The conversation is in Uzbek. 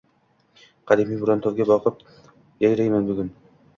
“Qadimiy Muruntovga boqib bugun yayrayman....”